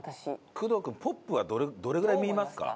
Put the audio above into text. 工藤君ポップはどれぐらい見ますか？